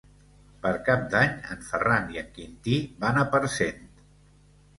Per Cap d'Any en Ferran i en Quintí van a Parcent.